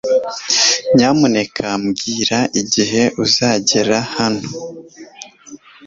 Nyamuneka mbwira igihe azagera hano